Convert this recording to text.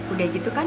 udah gitu kan